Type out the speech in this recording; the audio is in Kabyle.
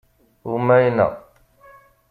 Umayna.